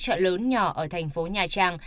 chợ lớn nhỏ ở thành phố nhà trang